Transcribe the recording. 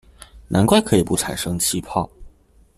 難怪可以不產生氣泡